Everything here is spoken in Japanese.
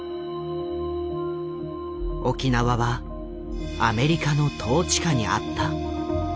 沖縄はアメリカの統治下にあった。